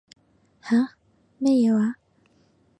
吓？咩嘢話？